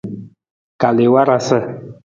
Kal i warasa.